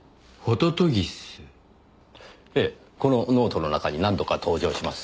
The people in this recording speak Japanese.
ええこのノートの中に何度か登場します。